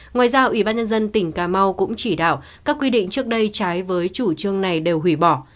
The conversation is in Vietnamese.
ngoài ra ủy ban nhân dân tỉnh cà mau cũng chỉ đạo các quy định trước đây trái với chủ trương này đều hủy bỏ